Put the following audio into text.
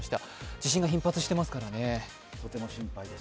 地震が頻発してますからね。